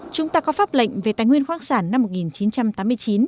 chúng ta có pháp lệnh về tài nguyên khoáng sản năm một nghìn chín trăm tám mươi chín